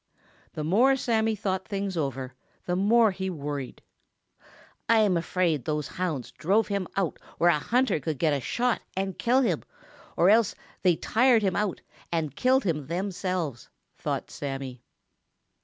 The more Sammy thought things over, the more he worried. "I am afraid those hounds drove him out where a hunter could get a shot and kill him, or else that they tired him out and killed him themselves," thought Sammy.